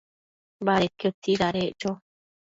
Badedquio tsidadeccho